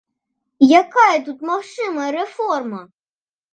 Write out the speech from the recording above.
І якая тут магчымая рэформа?